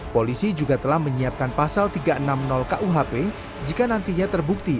polisi juga telah menyiapkan pasal tiga ratus enam puluh kuhp jika nantinya terbukti